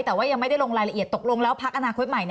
แต่ว่ายังไม่ได้ลงรายละเอียดตกลงแล้วพักอนาคตใหม่